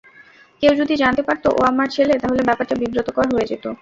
কেউ যদি জানতে পারত ও আমার ছেলে তাহলে ব্যাপারটা বিব্রতকর হয়ে যেত।